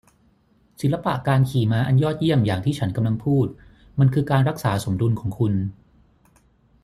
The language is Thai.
ศิลปะการขี่ม้าอันยอดเยี่ยมอย่างที่ฉันกำลังพูด มันคือการรักษาสมดุลของคุณ